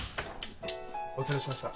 お連れしました。